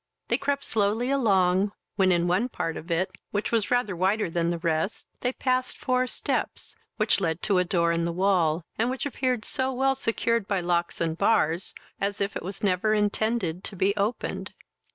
They crept slowly along, when, in one part of it, which was rather wider than the rest, they passed four steps, which led to a door in the wall, and which appeared so well secured by locks and bars, as if it never was intended to be opened.